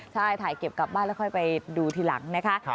ใช่ถ่ายเก็บกลับบ้านแล้วค่อยไปดูทีหลังนะคะ